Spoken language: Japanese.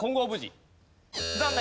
残念。